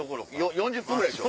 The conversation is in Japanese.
４０分ぐらいでしょ？